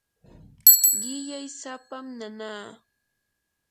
qillay sapam nanaa.